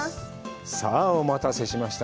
さあお待たせしました。